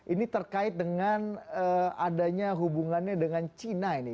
ini terkait dengan adanya hubungannya dengan cina ini